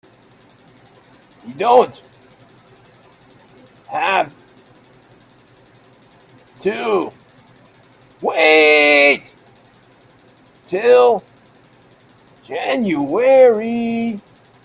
You don't have to wait till January.